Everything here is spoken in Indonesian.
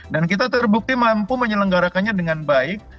dan kita terbukti mampu menyelenggarakannya dengan baik